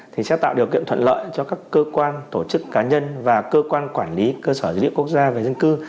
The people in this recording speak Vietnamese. thì sẽ tạo điều kiện thuận lợi cho các cơ quan tổ chức cá nhân và cơ quan quản lý cơ sở dữ liệu quốc gia về dân cư